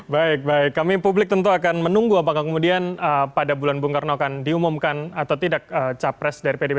baik baik kami publik tentu akan menunggu apakah kemudian pada bulan bung karno akan diumumkan atau tidak capres dari pdi perjuangan